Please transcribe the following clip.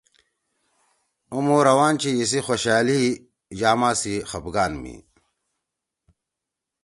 اومو روان چھی یِسی خوشألی یاما سی خفگان می۔